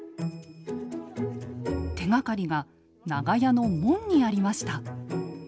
手がかりが長屋の門にありました。